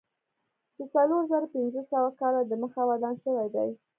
چې څلور زره پنځه سوه کاله دمخه ودان شوی دی.